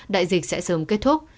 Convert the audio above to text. đại dịch sẽ sớm kết thúc